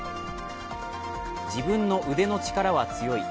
自分の腕の力は強い。